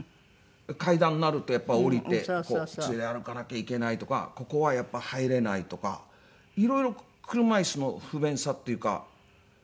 階段があるとやっぱ降りて杖で歩かなきゃいけないとかここはやっぱ入れないとかいろいろ車椅子の不便さっていうか。